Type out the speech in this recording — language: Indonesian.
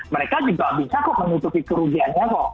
mereka juga bisa kok menutupi kerugiannya kok